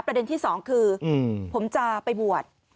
ประเด็นที่สองคือผมจะไปบวช